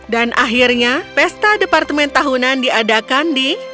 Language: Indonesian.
dan akhirnya pesta departemen tahunan diadakan di